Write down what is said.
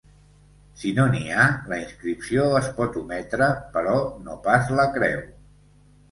Si no n'hi ha, la inscripció es pot ometre, però no pas la creu.